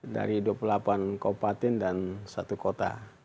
dari dua puluh delapan kabupaten dan satu kota